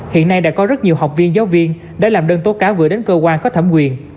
hiện nay đã có rất nhiều học viên giáo viên đã làm đơn tố cáo gửi đến cơ quan có thẩm quyền